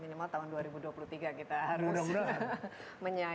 minimal tahun dua ribu dua puluh tiga kita harus menyanyikan